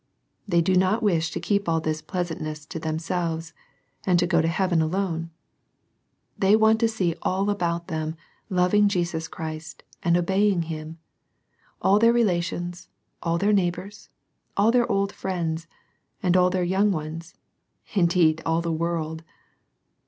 They do not wish to keep all this pleasantness to themselves, and to go to heaven alone. They want to see all about them loving Jesus Christ, and obeying Him, — all their re lations, all their neighbours, all their old fiiends, all their young ones, indeed all the world.